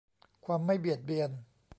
ความไม่เบียดเบียน